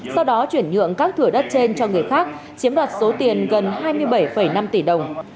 sau đó chuyển nhượng các thửa đất trên cho người khác chiếm đoạt số tiền gần hai mươi bảy năm tỷ đồng